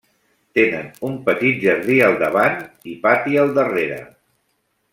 Tenen un petit jardí al davant i pati al darrere.